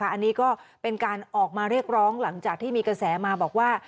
อันนี้ก็เป็นการออกมาเรียกร้องหลังจากที่มีกระแสมาบอกว่า